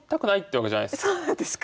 そうなんですか？